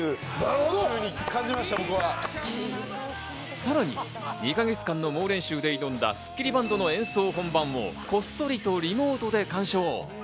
さらに２か月間の猛練習で挑んだスッキリバンドの演奏本番もこっそりとリモートで鑑賞。